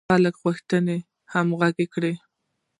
د خلکو غوښتنې همغږې کړي.